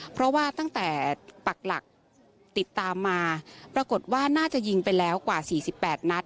เพราะว่าตั้งแต่ปักหลักติดตามมาปรากฏว่าน่าจะยิงไปแล้วกว่า๔๘นัด